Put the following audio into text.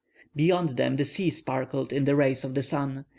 Beyond them the sea sparkled in the rays of the sun.